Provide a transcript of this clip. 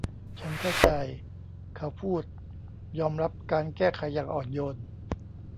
ฉันเข้าใจเขาพูดยอมรับการแก้ไขอย่างอ่อนโยน